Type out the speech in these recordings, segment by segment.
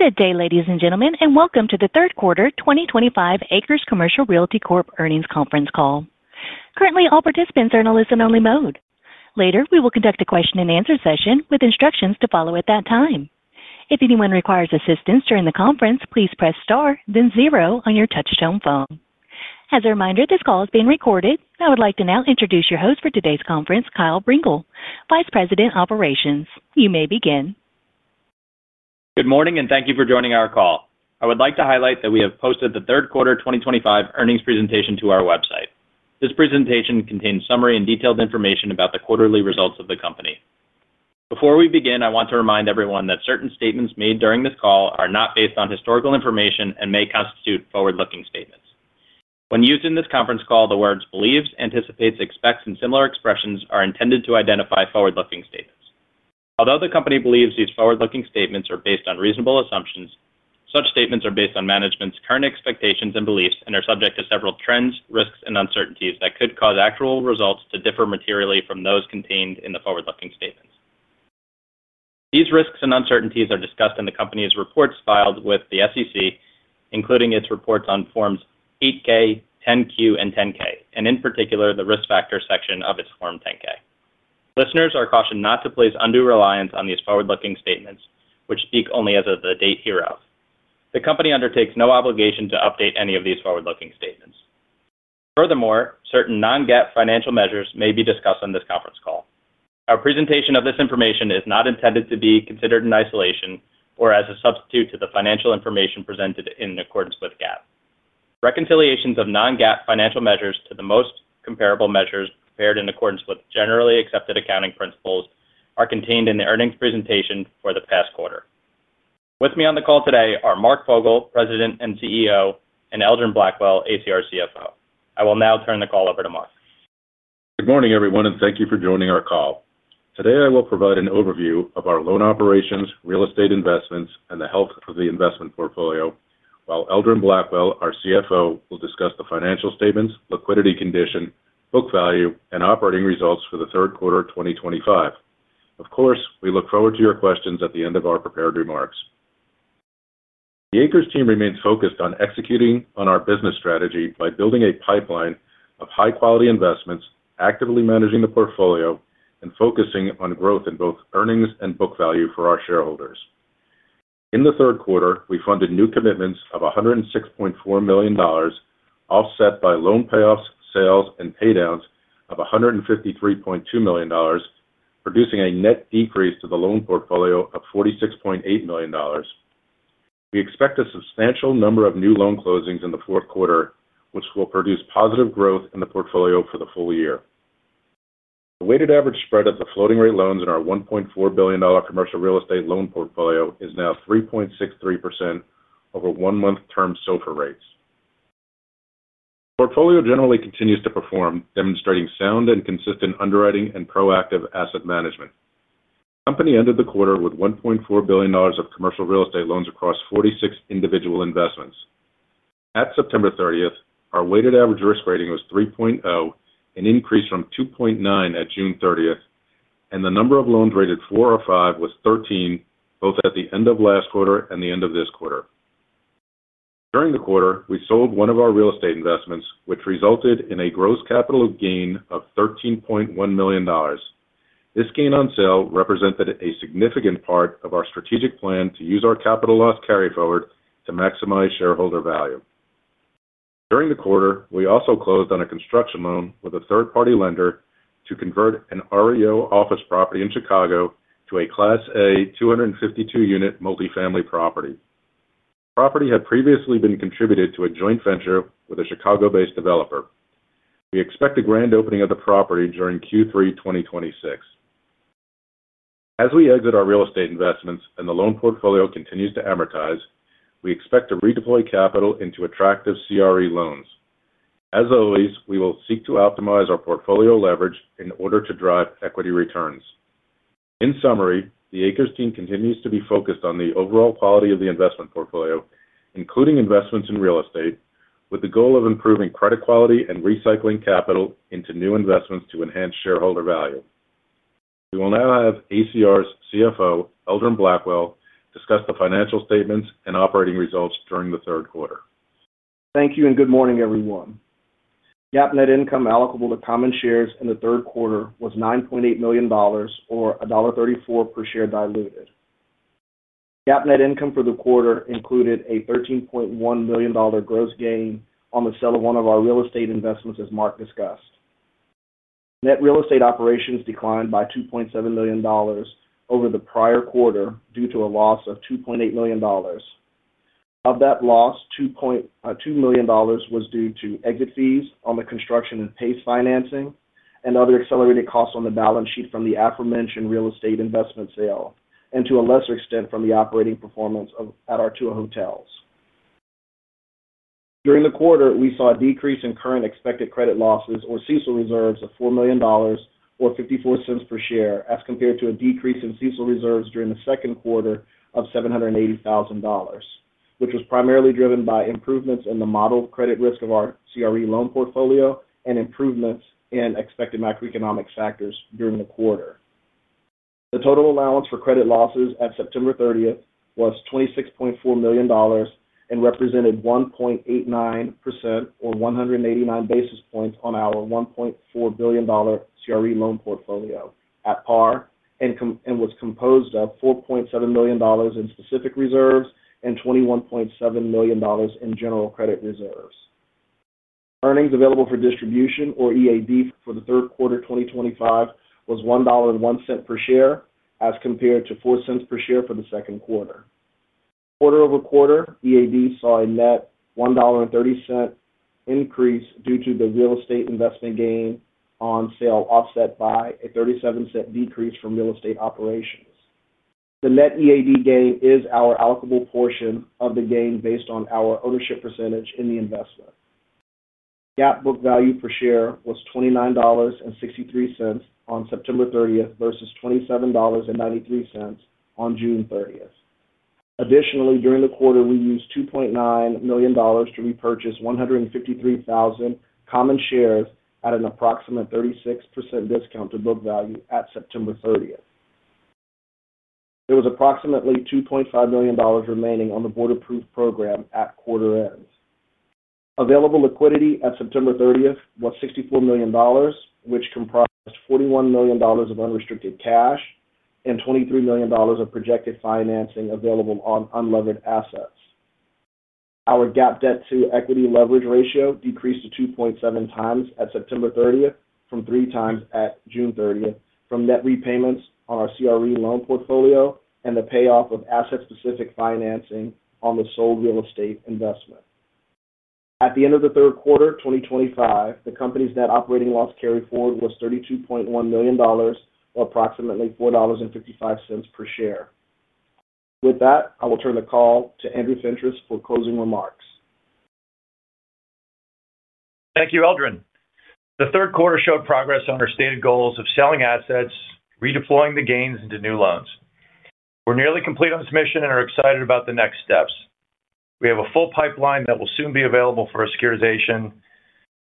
Good day, ladies and gentlemen, and welcome to the third quarter 2025 ACRES Commercial Realty Corporation Earnings Conference Call. Currently, all participants are in a listen-only mode. Later, we will conduct a question and answer session with instructions to follow at that time. If anyone requires assistance during the conference, please press star then zero on your touch-tone phone. As a reminder, this call is being recorded. I would like to now introduce your host for today's conference, Kyle Brengel, Vice President, Operations. You may begin. Good morning and thank you for joining our call. I would like to highlight that we have posted the third quarter 2025 earnings presentation to our website. This presentation contains summary and detailed information about the quarterly results of the Company. Before we begin, I want to remind everyone that certain statements made during this call are not based on historical information and may constitute forward-looking statements. When used in this conference call, the words believes, anticipates, expects and similar expressions are intended to identify forward-looking statements. Although the Company believes these forward-looking statements are based on reasonable assumptions, such statements are based on management's current expectations and beliefs and are subject to several trends, risks and uncertainties that could cause actual results to differ materially from those contained in the forward-looking statements. These risks and uncertainties are discussed in the Company's reports filed with the SEC, including its reports on Forms 8-K, 10-Q and 10-K and in particular the Risk Factors section of its Form 10-K. Listeners are cautioned not to place undue reliance on these forward-looking statements which speak only as of the date hereof. The Company undertakes no obligation to update any of these forward-looking statements. Furthermore, certain non-GAAP financial measures may be discussed on this conference call. Our presentation of this information is not intended to be considered in isolation or as a substitute to the financial information presented in accordance with GAAP. Reconciliations of non-GAAP financial measures to the most comparable measures prepared in accordance with Generally Accepted Accounting Principles are contained in the earnings presentation for the past quarter. With me on the call today are Mark Fogel, President and CEO, and Eldron Blackwell, ACR's CFO. I will now turn the call over to Mark. Good morning everyone and thank you for joining our call today. I will provide an overview of our loan operations, real estate investments, and the health of the investment portfolio, while Eldron Blackwell, our CFO, will discuss the financial statements, liquidity, condition, book value, and operating results for the third quarter 2025. Of course, we look forward to your questions at the end of our prepared remarks. The ACRES team remains focused on executing on our business strategy by building a pipeline of high quality investments, actively managing the portfolio, and focusing on growth in both earnings and book value for our shareholders. In the third quarter, we funded new commitments of $106.4 million, offset by loan payoffs, sales, and paydowns of $153.2 million, producing a net decrease to the loan portfolio of $46.8 million. We expect a substantial number of new loan closings in the fourth quarter, which will produce positive growth in the portfolio for the full year. The weighted average spread of the floating rate loans in our $1.4 billion commercial real estate loan portfolio is now 3.63% over 1-month term SOFR rates. The portfolio generally continues to perform, demonstrating sound and consistent underwriting and proactive asset management. The company ended the quarter with $1.4 billion of commercial real estate loans across 46 individual investments. At September 30th, our weighted average risk rating was 3.0, an increase from 2.9 at June 30th, and the number of loans rated 4 or 5 was 13 both at the end of last quarter and the end of this quarter. During the quarter, we sold one of our real estate investments, which resulted in a gross capital gain of $13.1 million. This gain on sale represented a significant part of our strategic plan to use our capital loss carryforwards to maximize shareholder value. During the quarter, we also closed on a construction loan with a third party lender to convert an REO office property in Chicago into a Class A 252-unit multifamily property. The property had previously been contributed to a joint venture with a Chicago-based developer. We expect a grand opening of the property during Q3 2026. As we exit our real estate investments and the loan portfolio continues to amortize, we expect to redeploy capital into attractive CRE loans. As always, we will seek to optimize our portfolio leverage in order to drive equity returns. In summary, the ACRES team continues to be focused on the overall quality of the investment portfolio, including investments in real estate, with the goal of improving credit quality and recycling capital into new investments to enhance shareholder value. We will now have ACRES CFO Eldron Blackwell discuss the financial statements and operating results during the third quarter. Thank you and good morning everyone. GAAP net income allocable to common shares in the third quarter was $9.8 million or $1.34 per share. GAAP net income for the quarter included a $13.1 million gross gain on the sale of one of our real estate investments as Mark discussed. Net real estate operations declined by $2.7 million over the prior quarter due to a loss of $2.8 million. Of that loss, $2 million was due to exit fees on the construction and PACE financing and other accelerated costs on the balance sheet from the aforementioned real estate investment sale and to a lesser extent from the operating performance at our two hotels. During the quarter we saw a decrease in current expected credit losses, or CECL, reserves of $4 million or $0.54 per share as compared to a decrease in CECL reserves during the second quarter of $780,000, which was primarily driven by improvements in the model credit risk of our commercial real estate loan portfolio and improvements in expected macroeconomic factors during the quarter. The total allowance for credit losses at September 30th was $26.4 million and represented 1.89% or 189 basis points on our $1.4 billion CRE loan portfolio at par and was composed of $4.7 million in specific reserves and $21.7 million in general credit reserves. Earnings available for distribution, or EAD, for the third quarter 2025 was $1.01 per share as compared to $0.04 per share for the second quarter. Quarter-over-quarter EAD saw a net $1.30 increase due to the real estate investment gain on sale offset by a $0.37 decrease from real estate operations. The net EAD gain is our allocable portion of the gain based on our ownership percentage in the investment. GAAP book value per share was $29.63 on September 30th versus $27.93 on June 30th. Additionally, during the quarter we used $2.9 million to repurchase 153,000 common shares at an approximate 36% discount to book value. At September 30th there was approximately $2.5 million remaining on the board-approved program at quarter end. Available liquidity at September 30th was $64 million, which comprised $41 million of unrestricted cash and $23 million of projected financing available on unlevered assets. Our GAAP debt to equity leverage ratio decreased to 2.7x at September 30th from 3x at June 30. From net repayments on our CRE loan portfolio and the payoff of asset specific financing on the sole real estate investment, at the end of the third quarter 2025, the company's net operating loss carryforward was $32.1 million or approximately $4.55 per share. With that, I will turn the call to Andrew Fentress for closing remarks. Thank you, Eldron. The third quarter showed progress on our stated goals of selling assets, redeploying the gains into new loans. We're nearly complete on this mission and are excited about the next steps. We have a full pipeline that will soon be available for securitization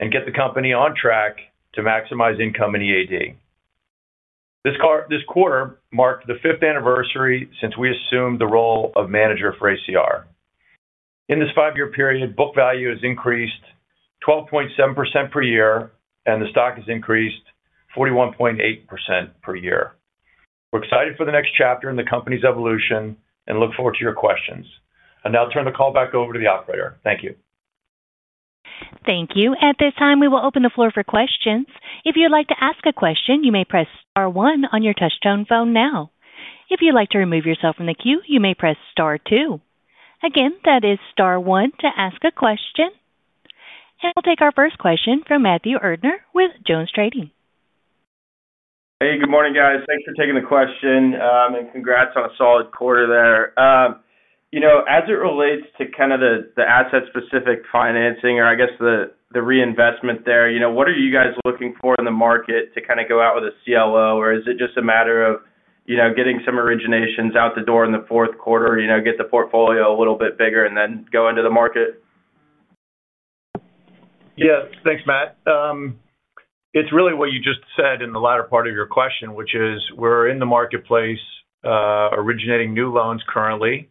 and get the company on track to maximize income in EAD. This quarter marked the fifth anniversary since we assumed the role of manager for ACR. In this 5 year period, book value has increased 12.7% per year and the stock has increased 41.8% per year. We're excited for the next chapter in the company's evolution and look forward to your questions. I'll now turn the call back over to the operator. Thank you. Thank you. At this time, we will open the floor for questions. If you'd like to ask a question, you may press star one on your touchtone phone. If you'd like to remove yourself from the queue, you may press star two. Again, that is star one to ask a question. We'll take our first question from Matthew Erdner with JonesTrading. Hey, good morning guys. Thanks for taking the question and congrats on a solid quarter there. As it relates to the asset specific financing or the reinvestment there, what are you guys looking for in the market to go out with a CLO, or is it just a matter of getting some originations out the door in the fourth quarter, get the portfolio a little bit bigger and then go into the market? Yeah, thanks, Matt. It's really what you just said in the latter part of your question, which is we're in the marketplace originating new loans currently.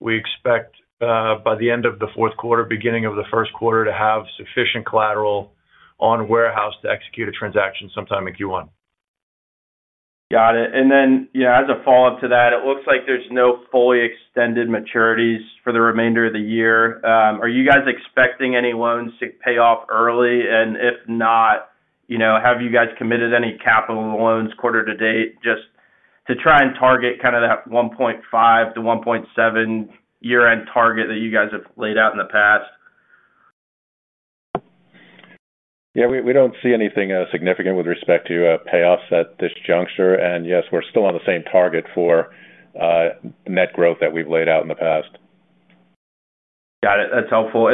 We expect by the end of the fourth quarter, beginning of the first quarter to have sufficient collateral on warehouse to execute a transaction sometime in Q1. Got it. As a follow up to that, it looks like there's no fully extended maturities for the remainder of the year. Are you guys expecting any loans to pay off early? If not, have you guys committed any capital loans quarter-to-date just to try and target kind of that 1.5 to 1.7 year end target that you guys have laid out in the past? Yes, we don't see anything significant with respect to payoffs at this juncture. Yes, we're still on the same target for net growth that we've laid out in the past. Got it. That's helpful.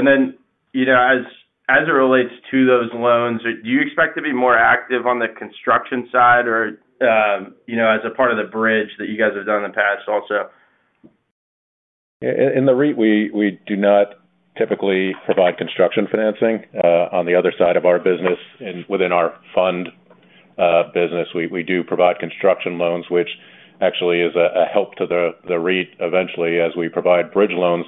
As it relates to those loans, do you expect to be more active on the construction side or as a part of the bridge that you guys have done in the past also? In the REIT, we do not typically provide construction financing. On the other side of our business, within our fund business, we do provide construction loans, which actually is a help to the REIT eventually as we provide bridge loans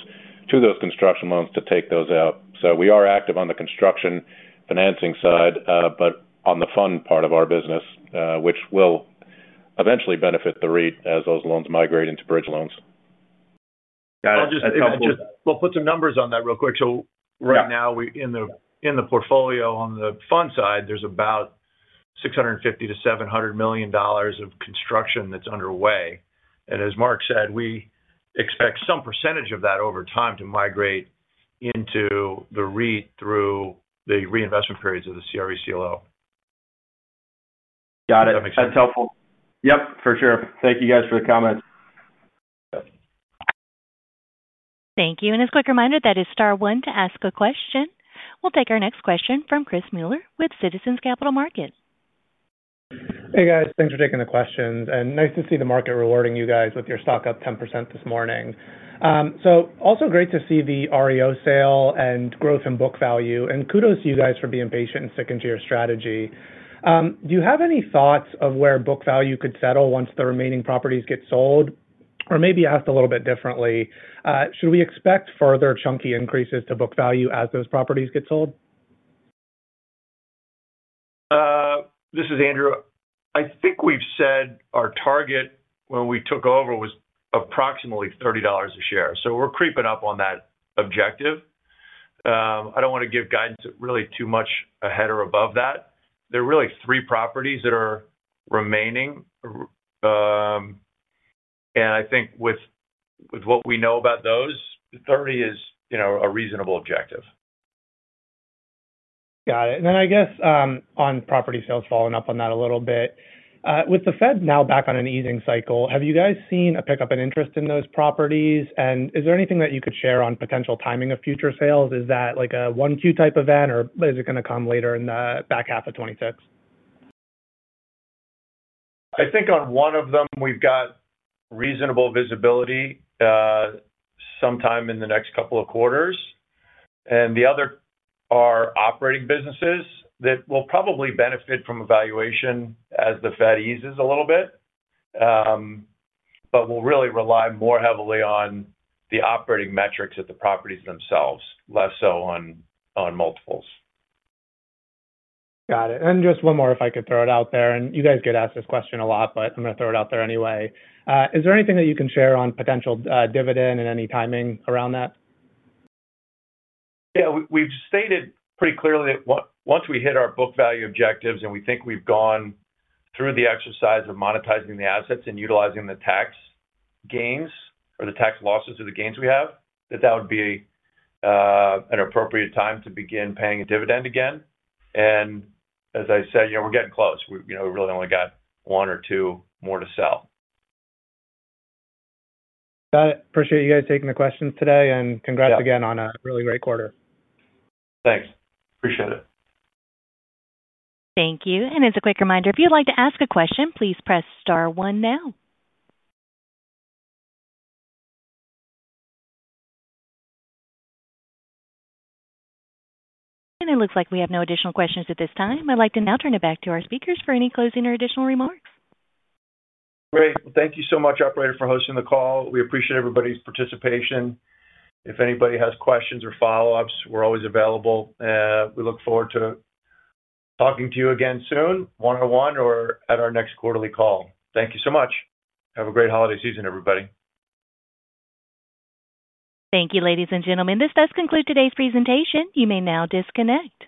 to those construction loans to take those out. We are active on the construction financing side, but on the fund part of our business, which will eventually benefit the REIT as those loans migrate into bridge loans. We'll put some numbers on that real quick. Right now in the portfolio on the fund side, there's about $650 million to $700 million of construction that's underway. As Mark said, we expect some percentage of that over time to migrate into the REIT through the reinvestment periods of the CRE CLO. Got it. That's helpful. Yep, for sure. Thank you guys for the comments. Thank you. As a quick reminder, that is star one to ask a question. We'll take our next question from Chris Muller with Citizens Capital Markets. Hey guys, thanks for taking the questions, and nice to see the market rewarding you guys with your stock up 10% this morning. It is also great to see the REO sale and growth in book value, and kudos to you guys for being patient and sticking to your strategy. Do you have any thoughts of where book value could settle once the remaining properties get sold? Maybe asked a little bit differently, should we expect further chunky increases to book value as those properties get sold? This is Andrew. I think we've said our target when we took over was approximately $30 a share. We're creeping up on that objective. I don't want to give guidance really too much ahead or above that. There are really three properties that are. Remaining. With what we know about those, 30 is a reasonable objective. Got it. On property sales, following up on that a little bit, with the Fed now back on an easing cycle, have you guys seen a pickup in interest in those properties? Is there anything that you could share on potential timing of future sales? Is that like a 1Q type event or is it going to come later in the back half of 2026? I think on one of them we've got reasonable visibility sometime in the next couple of quarters. The other are operating businesses that will probably benefit from evaluation as the Fed eases a little bit, but will really rely more heavily on the operating metrics at the properties themselves, less so on multiples. Got it. Just one more. If I could throw it out there and you guys get asked this question a lot, but I'm going to throw it out there anyway. Is there anything that you can share on potential dividend and any timing around that? Yeah, we've stated pretty clearly once we hit our book value objectives and we think we've gone through the exercise of monetizing the assets and utilizing the tax gains or the tax losses or the gains we have, that would be an appropriate time to begin paying a dividend again. As I said, you know, we're getting close. We really only got one or two more to sell. Appreciate you guys taking the questions today, and congrats again on a really great quarter. Thanks. Appreciate it. Thank you. As a quick reminder, if you'd like to ask a question, please press star one now. It looks like we have no additional questions at this time. I'd like to now turn it back to our speakers for any closing or additional remarks. Great. Thank you so much, operator, for hosting the call. We appreciate everybody's participation. If anybody has questions or follow ups, we're always available. We look forward to talking to you again soon, one on one or at our next quarterly call. Thank you so much. Have a great holiday season, everybody. Thank you. Ladies and gentlemen, this does conclude today's presentation. You may now disconnect.